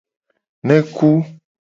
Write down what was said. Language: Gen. Neku.